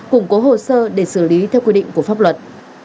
củng cố hồ sơ để xử lý theo quy định của pháp luật